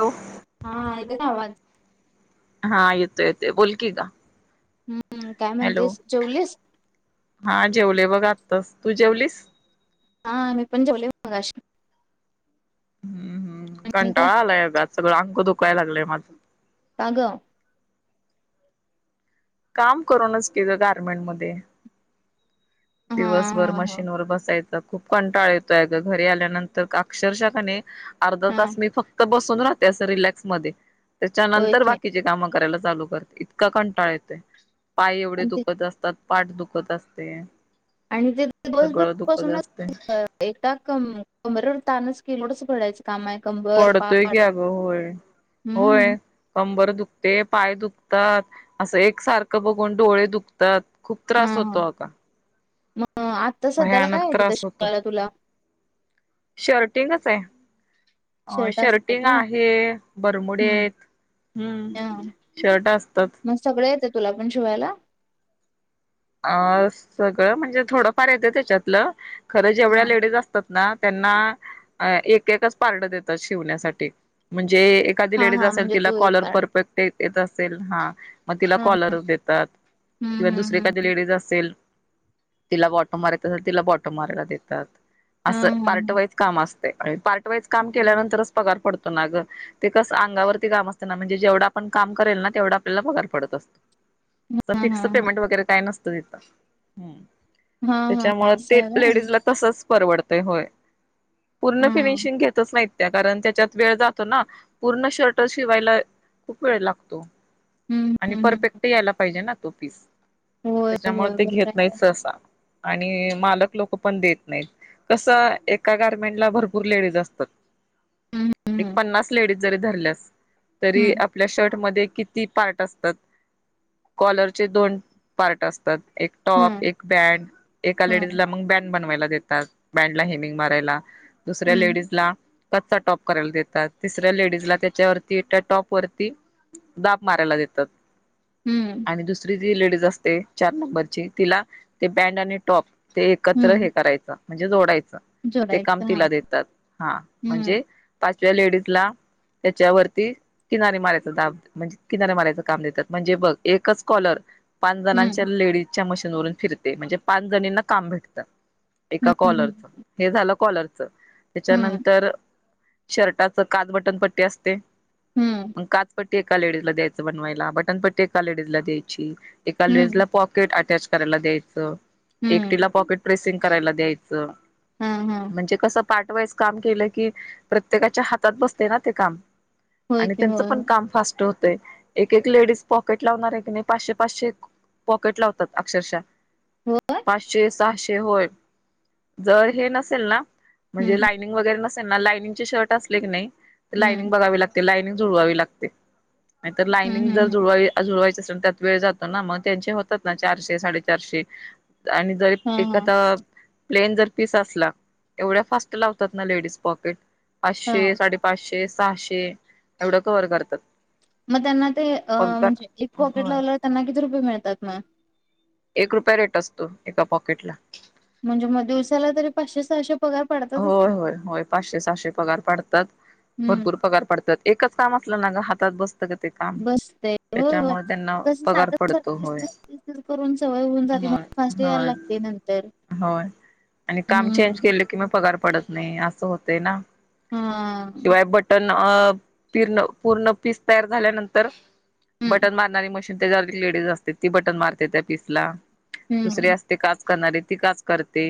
Hello हा येतोय का आवाज? हा येतोय येतोय बोल की ग. हं काय हॅलो म्हणतेस जेवलीस? हा जेवले बघ आताच तू जेवलीस? हां मी पण जेवले मगाशीच. हम्म हम्म आणि काय कंटाळा आलाय आग सगळं अंग दुखायला लागलंय माझं. का ग? काम करूनच की ग गार्मेंट मध्ये. हा दिवसभर हा हा मशीन वर बसायचं. खूप कंटाळा येतोय ग घरी आल्यानंतर अक्षरशः कनाय अर्धा हा तास मी फक्त बसून राहते, अस रिलॅक्स मध्ये होय त्याच्यानंतर की बाकी काम करायला चालू करते इतका कंटाळ येतोय. पाय एवढे आणि ते दुखत असतात. पाठ दुखत असते. आणि ते दिवसभर सगळं दुखत बसूनच असते [unintelligible] एकटा क कमरवर तानच कि लोडच पडायच. काम आहे क [unintelligible] पडतोय की अगं होय हम्म होय. कंबर दुखते, पाय दुखतात असं एक सारखं बघून डोळे दुखत तर खूप त्रास होतो अग. अ आत्ता सध्याला काय आहे तिथं त्रास होतो शिकवायला तुला? शर्टिंगच आहे. अ शर्ट असतात शर्टिंग होय आहे बरमुडे हम्म आहेत हम्म, शर्ट असतात. सगळं येतंय तुला पण शिवायला? अ सगळं म्हणजे थोडंफार येतं त्याच्यातलं खरं हा जेवढ्या लेडीज असतात. त्यांना एक एकच पार्ट देतात शिवण्यासाठी म्हणजे एखादी हा लेडीज हा असेल म्हणजे तिला तू एक कॉलर पार्ट परफेक्ट असेल तिला हम्म कॉलरच देतात मग हम्म दुसरी हम्म एखादी लेडीज असेल तिला बॉटम मारायच असेल तिला बॉटम मारायला देतात. असं हम्म हम्म पार्ट हम्म वाईज काम असतय. पार्ट वाईज काम हम्म केल्यानंतरच पगार पडतो ना ग. ते कसं अंगावरती काम असतना म्हणजे जेवढं आपण काम करेल ना तेवढा आपल्याला पगार पडत असतो. हम्म फिक्स हम्म पेमेंट वगैरे काय नसतं तिथं. हा हा हा त्याच्यामुळे असं ते आहे व्हय लेडीजला तसचं परवडतंय होय हा पूर्ण फिनिशिंग घेतच नाही. त्या कारण त्याच्यात वेळ जातो ना पूर्ण शर्ट शिवायला खूप वेळ लागतो. हम्म हम्म आणि हम्म परफेक्ट यायला पाहिजे ना तो पीस, होय त्याच्यामुळे होय ते बरोबर घेत आहे. नाहीत सहसा आणि मालक लोक पण देत नाहीत. कसं एका गारमेंटला भरपूर लेडीज असतात. हम्म एक हम्म पन्नास लेडीज जरी धरल्यास तरी आप प आपल्या शर्ट मध्ये किती पार्ट असतात कॉलरचे दोन पार्ट असतात, एक टॉप हम्म एक बँन एका हम्म लेडीजला मग बँन बनवायला देतात. बँडला हेमिंग मारायला दुसऱ्या हम्म हम्म लेडीज ला. कच्चा टॉप करायला देतात तिसऱ्या लेडीज ला त्याच्यावरती त्या टॉप वरती दाब मारायला देतात. हम्म आणि दुसरी जी लेडीज असते चार नंबरची तिला ते पॅन्ट आणि टॉप. ते एकत्र हे हम्म करायचं म्हणजे जोडायचं ते काम जोडायचं हा तिला देतात हा हम्म म्हणजे पाचव्या लेडीजला त्याच्यावरती किनारे मारायचे दाब म्हणजे किनारीे मार्यायचं काम देतात म्हणजे बघ एकच कॉलर पाच जणांच्या हम्म लेडीजच्या मशीनवरून फिरते म्हणजे पाच जणींना काम भेटतं. एका हम्म कॉलरच हे झालं कॉलरच हम्म त्याच्यानंतर शर्टाच काज बटनपट्टी असते हम्म मग काज पट्टी एका लेडीज ला द्यायचं बनवायला बटन पटी एका लेडीज ला द्यायची एका लेडीज हम्म ला पॉकेट अटॅच करायला द्यायचं हम्म एकटीला पॉकेट प्र्रेसिंग करायला द्यायचं ह्म ह्म म्हणजे कसं पार्ट वाईज काम केलं की प्रत्येकाच्या हातात बसतंय ना ते काम होय आणि की त्यांचं होय पण काम फास्ट होतंय एक एक लेडीज पॉकेट लावणार आहे की नाही पाचशे पाचशे पॉकेट लावतात अक्षरशा हो पाचशे सहाशे होय. जर हे नसेल ना म्हणजे हम्म लायनिंग वगैरे नसेल ना लायनिंगचे शर्ट असले की नाही तर हम्म लायनिंग बघावी लागते लायनिंग जुळवावी लागते नाही तर हम्म लायनिंग हम्म जर हम्म जुळवावी जुळवायची असेल तर त्या वेळ जातो ना मग त्यांचे होतात ना चारशे साडे चारशे जरी हा हा एखाद प्लेन जर पीस असला एवढ्या फास्ट लावतात ना लेडीज पॉकेट पाचशे हा साडेपाचशे सहाशे एवढं कव्हर करतात. मग त्यांना तेअ पगार म्हणजे एक पॉकेट होय लावल्यावर त्यांना किती रुपये मिळतात मग? एक रुपया रेट असतो एका पॉकेट ला, म्हणजे मग दिवसाला तरी पाचशे सहाशे पगार पडतातच होय की होय होय पाचशे सहाशे पगार पाडतात हम्म भरपूर पगार पाडतात. एकच काम असलं ना हातात बस ते काम बसते होय होय त्याच्यामुळे त्यांना कसं पगार सारखं पडतो सारखं तेच होय. तेच तेच तेच करून सवय हुन जाती मग होय फास्ट यायला होय लागते नंतर. होय आणि काम चेंज हम्म केल कि म पगार पडत नाही असं होत ना, हा शिवाय बट बटन प पूर्ण पीस तयार झाल्यानंतर हम्म बटन मारणारी मशी त्याच्यावरती लेडीज असते ती बटन मारते त्या पीस ला दुसरी हम्म अस ते काज करणारे ती काज करते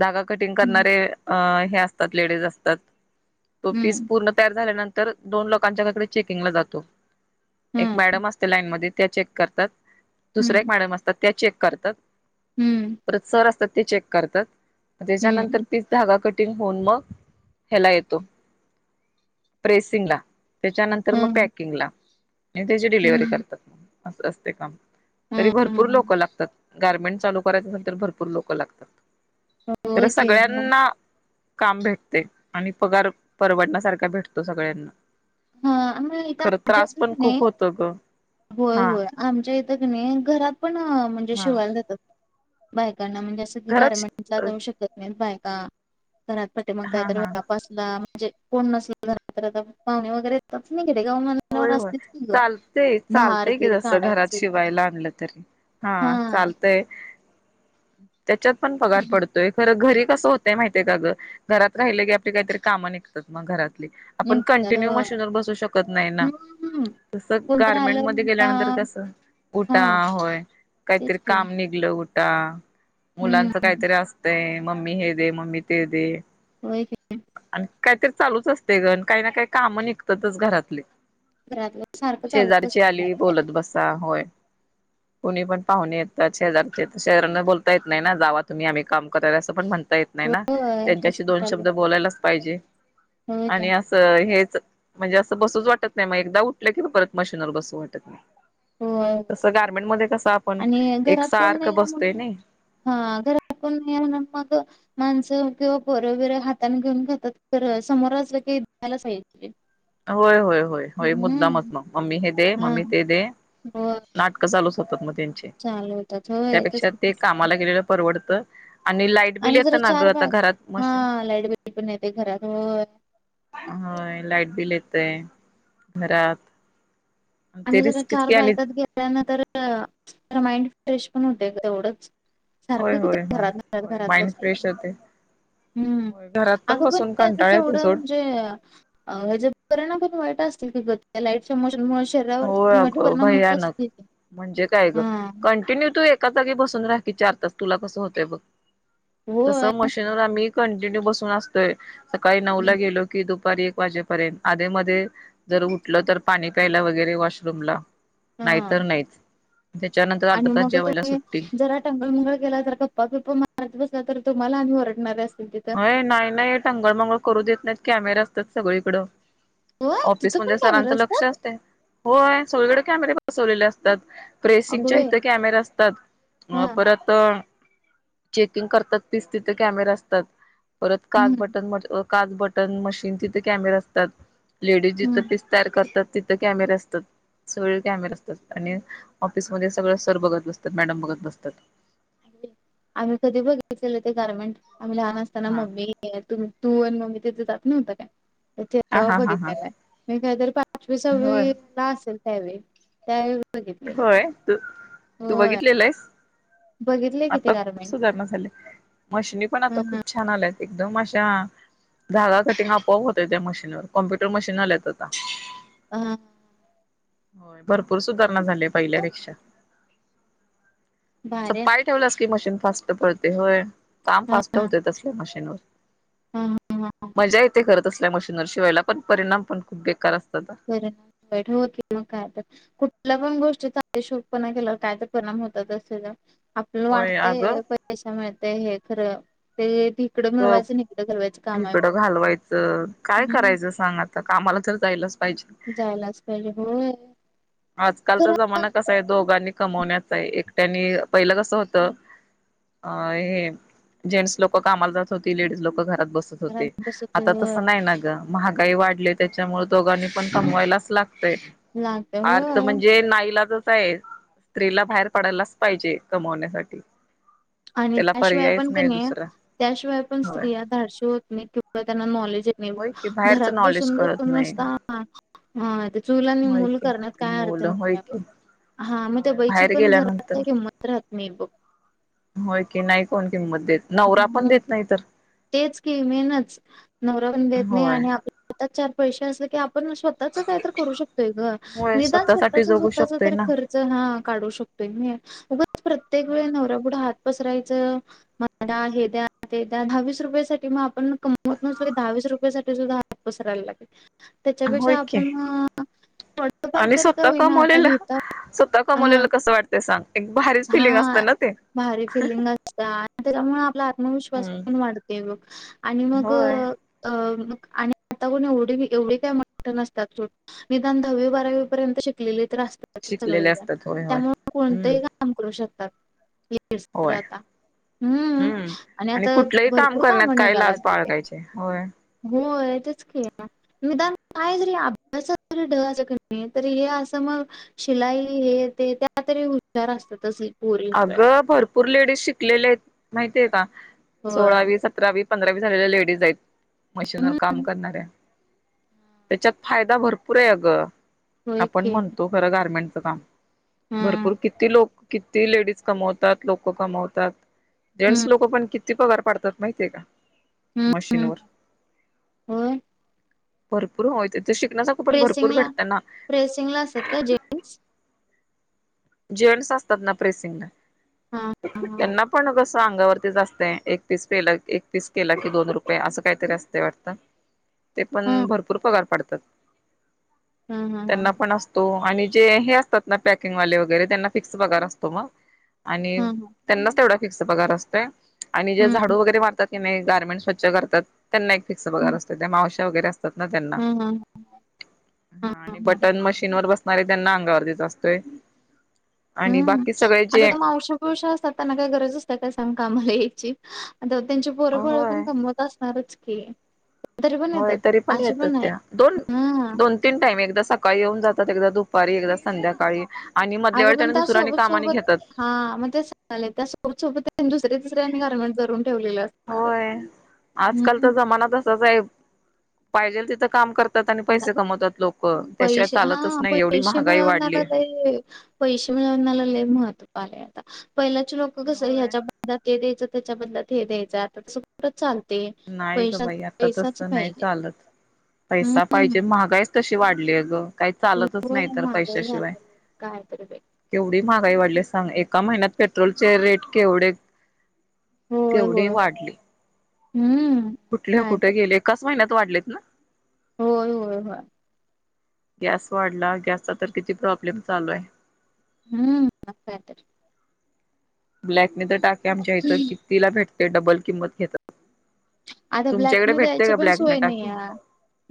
धागा कटिंग हम्म करणारे अ हे असतात लेडीज असतात तो पिस हम्म पूर्ण त झाल्या नंतर तर दोन लोकांच्याकडे चेकिंगला जातो एक हम्म मॅडम असते लाईनमध्ये त्या चेक करतात दुसऱ्या एक हम्म मॅडम असतात त्या चेक करतात. हम्म परत सर असतात ते चेक करतात म त्याच्यानंतर हम्म तीच धागा कटिंग होऊन मग ह्याला येतो प्रेसिंग ला. त्याच्यानंतर मग हम्म पॅकिंगला अन त्याची डिलिव्हरी हम्म करतात. अस असते काम. तरी भरपूर हम्म लोकं लागतात गार्मेंट चालू करायच म्हण तर भरपूर लोकं लागतात. हो होय की. मग स्यांना काम भेटते आणि पगार परवडण्यासारखा भेटतो सगळ्यांना हा मग इथं खरं आमच्या त्रास इथं पण की नाही खूप होतो ग होय हा होय आमच्या इथं क नाही घरात पण म्हणजे हा शिवायला जातात बायकांना म्हणजे घरात गमें जाऊ शकत नाही बाय घरातट म हा हा का्या म्हणजे कोण नसला झा तर आता पाहुणे वगैरे यच नाही गा होय होय चालतेय चालतेय की बीर जसं घरात काढायचं शिवायला आणलं तरी हा चालतय त्याच्यात पण पगार पडतो खरं घरी कसं होतंय माहिितय का गं घरात राहिलं की आपली काहीतरी कामं घरातली आपण निघतात कंटिन्यू होय मशीन बसू शकत हम्म हम्म तस कोणतरी गारमेंट आलं म उलटा गेल्यानंतर कस हा उटा होय काहीतरी तेच की काम निघलं कुठ मुलांच हम्म काहीतरी असतंय मम्मी हे दे मम्मी ते दे हो क आणि काहीतरी चालूच असते गण काही ना काही काम निघतातच घरातले घरातलं सारखं चालूच शेजारची असतंय काय आली ना काय बोलत बसा होय कुणी पण पाहुणे येतात शेजरचे शेजरांना बोलता येत नाही ना जावा तुम्ही आम्ही काम करायला असं पण म्हणता येत नाही ना तर होय त्यांच्याशी तसं दोन कुठालं शब्द बोलायलाच पाहिजे होय आणि काय अस हेच म्हणजे असं बसूच वाटत नाही मग एकदा उठलं कि परत मशीनवर बसू वाटत नाही हो तस गार्मेंट मध्ये कस आणि घरात कोण नाही आहे म्हणून हा घरात कोण नाही आहे म्हणून मग माणसं किंवा पर वगैरे हातने घेऊन खातात ख समोर असलं की मला स होय होय होय होय मुद्दामच मग मम्मी हे दे मम्मी ते दे ब नाटकं चालूच होतात मग त्यांचे होय तेच त्यापेक्षा ते कामाला गेलेलं परवडत आणि ला आणि जरा चार बाग हा लाईट बिल पण येते घरात होय हो लाइट बिल येतय घरात ते आणि जरा रिस्कीच चार की आणि बायकात गेल्यान तर माइंड फ्रेश पण होते तेवढंच होय सारखं होय किती होय घरात घरात होय घरात माइंड बसायचं फ्रेश होते. हम्म होय घरात अगं बसून पण कंटाळा येतोय यावढं सोड म्हणजे अ ह्याचे परिणाम पण वाईट असतील क लाईटशनमुळे हो अगं भयानक म्हणजे काय ग हा कंटिन्यू तू एक एका जागी बसून रा क चार तास तुला कसं होतय बघ तस होय मशीनवर आम्ही कंटिन्यू बसून असतोय, सकाळी नऊ ला गेलो की दुपारी एक वाजेपर्यंत आधी मध्ये जर उठलो तर पाणी प्यायला वग वगैरे वॉशरूम ला हा नाहीतर नाहीच त्याच्यानंतर अर्धा तास जेवायला सुट्टी. टंगळ मंगळ गेला तर गप्पा मारत बसला तर तुम्हाला आम्ही वरडणारच ऐ नाय नाय टंगळ मंगळ करू देत नाहीत कॅमेरा असतात सगळीकडं. होय तिथं पण ऑफिसमध्येध्ये कॅमेरा सरांचं लक्ष असतात असते होय सगळीकडे कॅमेरे बसवलेले असतात अगं प्रेसिंगच्या बाई इथे कॅमेरा असतात हा अ परत चेकिंग करतात तीच तिथे कॅमेराे असतात परत काच हम्म बटन काच बटन मशीन तिथे कॅमेराे असतात लेडीज जिथं हम्म. तयार करतात तिथं कॅमेरे असतात सगळे कॅमेर असतात आणि ऑफिसमध्ये सगळं सर बघत बसतात मॅडम बघत बसतात आम्ही कधी बघितलेले ते गार्मेंट आम्ही लहान असताना हा मम्मी त तू आणि मम्मी तिथे जात नव्हता काय [unintelligible] हा तेव्हा हा हा हा बघितल्याला हाय मी काहीतरी पाचवी होय सहावीला असेल त्यावेळी त्यावेळी बघितलेलं ते होय तू तू होय बघितलेलं हेस? बघितलंय कि ते आता खूप गारमेंट सुधारणा झाले मशिनी पण आता ह खूप छान आल्यात एकदम अशा धागा कटिंग आपोआप होतय त्या मशीनवर कॉम्प्युटर मशीन आल्यात आता. अ हा. होय भरपूर सुधारणा झाले पहिल्यापेक्षा. असं भारी आहे पाय ठेवलस की मशीन फास्ट पळतय होय. काम हा फास्ट होतय तसल्या मशीनवर. हम्म हम्म. मजा येते खरं तसल्या मशीनवर शिवायला पण परिणाम पण खूप बेकार असतात अ. बर [unintelligible] मग काय तर. कुठल्या पण गोष्टीचा अतिशोकपणा केल्यावर काय तर परिणाम होतातच तेजा. आपलं होय अगं वाटतय पैशे मिळतय हे खरं ती गप इकडं घालवायचं काय हम्म करायचं सांग आ ता कामाला तर जायलाच पाहिजे. जायलाच पाहिजे होय. आजकालचा खरं जमाना कसाय दोघांनी कमवण्याचाय एकट्यानी पहिलं कसं होतं अ हे जेन्स लोकं कामाला जात होती लेडीज लोकं घरात बस त घरात होते. बसत आता होय तसं नाही ना ग. महागाई वाढली त्याच्यामुळं दोघांनी पण कमवायलाच लागतय. लागत आर्थ होय म्हणजे नाईलाजचाय स्त्रीला बाहेर पडायलाच पाहिजे कमवण्यासाठी. आणी त्याला त्याशिवाय पर्यायच पण नाही कणी दुसरा त्याशिवाय पण होय. स्त्रिया धाडशी होत नाहीत किंवा त्यांना नॉलेज ये त नाही होय की बाहेरच घरात नॉलेज बसून कळत बसून नाही नुसता अ ते चूल आणि मूल करण्यात काय अर्थ लव नाही हाय आहे बघ कि. हा, मग त्या बाईची पण घरात काय किंमत राहत नाही बघ. होय की नाही कोण किंमत देत. नवरा पण हम्म. देत नाही तर. तेच की मेनचं नवरा पण देत नाही होय आणि आपल्या हातात चार पैसे असले की आ पण स्वतःच काय तर करू शकतोय ग होय निदान स्वतःच स्वतःसाठी जगू स्वतःच शकतोय तरी ना खर चं हा काडू शकतोयनी उगच प्रत्येक वेळी नवऱ्यापुढं हात पसरायचं मा दा हे द्या ते द्या दहावीस रुपयसाठी मग आपण कमवत नसलो दहावीस रुपयासाठी सुद्धा पसरायल लागेल होय त्याच्यापेक्षा की आपण थोडंफार आणि तरी का स्वतः होईना आता कमवलेलं लिहिता स्वतः हा कमवलेलं कस वाट त सांग एक भारीच हा फिलिंग असतं ना ते. भारी फिलिंग असता आणि त्याच्यामुळं आपला आत्मविश्वास पण हम्म वाढतंय बघ आणि मग होय अ मग आणि आता कोणी एवढी बी एवढी काय मोठं नसत्यात सोड. निदान दहावी बारावी पर्यंत शिकलेली तर असतात शिकलेले सगळीजण असतात होय होय त्यामुळं हम्म कोणतही का काम करू शकतात [unintelligible] र होय आता. हम्म आणि आता कुठलंही भरपूर करण्यात काम काय लाज निघाल्यात. बाळगायची होय होय तेच कि. निदान काय जरी अभ्यासात जरी ढ असलं कनी तरी हे असं मग शिलाई हे ते त्यात तरी हुशार असतातचं गे. अगं भरपूर लेडीज शिकलेले आहेत माहितिये का सोळावी होय सत रावी पंधरावी झालेल्या लेडीज आहेत मशीनवर काम करणाऱ्या त्याच्यात फायदा भरपूर आहे अगं होय आपण की म्हणतो खरं गार्मेंटचं काम, हम्म भरपूर किती लोक ती लेडीज कमवतात लोकं कमवतात हम्म जेन्स लोकं पण कि ती पगार पाडतात माहितीये का हम्म हम्म मशीनवर? होय भरपूर होय ते ते शिकण्यासा प्रेसिंगला प्रेसिंगला असतात का जे जेन्स असतात ना प्रेसिंगला हा हा त्यांना पण कस अगावरतीच असतय एक पीस पेलं एक पीस केलं की दोन रुपये असं काहीतरी असतय वाटतं. ते हा पण हम्म भरपूर पगार पाडतात. हम्म त्यांना हम्म पण अस आणि जे हे असतात ना पॅकिंग वाले वगैरे त्यांना फिक्स पगार असतो मग आणि त्यांनाच तेवढा फिक्स पगार असतोय आणि जे हम्म झाडू वगैरे मारतात की नाही गार्मेंट स्वच्छ करतात. त्यांना एक फिक्स हम्म पगार हम्म असतो त्या मावश्या वगैरे असतात ना त्यांना. हम्म हम्म हम्म हा आणि हम्म हम्म बटन मशीन वर बसणारे त्यांना अंगावरतीच असतोय. आणि हम्म बाकी सगळे आता जे त्या मावश्या बीवश्या असतात त्यांना काय गरज असते काय सांग कामाला यायची. आता त्यांची पोरबाळ होय पण कमवत असणारच की. तरी पण होय येतात तरी पण असे येतात आहेत त्या दोन हा दोन तीन टाईम एकदा सकाळी येऊन जातात एकदा दुपारी एकदा संध्याकाळी. आणि मधल्या वेळी अगं पण त्यांनी त्या दुसरे आनी सोबत काम सोबत घेतात. हा मग ते [unintelligible] खूप सोपत दुसऱ्या तुसऱ्यांनी गारमेंट करून ठेवलेलं असणार आहे हम्म. मला तसचय. पाहिजेल तिथं काम करतात आणि पैसे कमवतात लोक त्याशिवाय पैसे हा चालतच नाही एवढी पैसे महागाई वाढली मिळवण्याला आहे. पैसे मिळवन्याला महत्व आलंय आता पहिलचे लोक कस होय. ह्या ते द्यायचं त्याच्या बधला ते हे द्यायचं आता त चालते नाही ग पैशा बाई आता पैसाच तसं नाही पाहिजे. चालत. पैसा हम्म पाहिजे महागाईच तशी वाढली ग. काही चालतच नाही होय तर महागाई पैशाशिवाय. झाल्या काय तर बाई केवढी महागाई वाढली सांग एका महिन्यात पेट्रोलचे रेट केवढे होय केवढी होय वाढली. हम्म कुठल्या काय कुठे तर गेले एकाच महिन्यात वाढलेत ना. होय होय होय गॅस वाढला गॅसचा तर किती प्रॉब्लेम चालू आहे. हम्म मकायतरी ब्लॅकने तर टाकी आमच्या इथं कितीला भेटते डबल किंमत घेतात. आता ब्लॅक तुमच्याकडे न भेटते द्यायची का पण ब्लॅकने सोय नाही टाकी? या.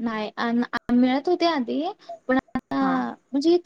नाही मिळत होती आधी पण हा. म्हणजे इथ